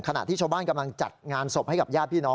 ขณะที่ชาวบ้านกำลังจัดงานศพให้กับญาติพี่น้อง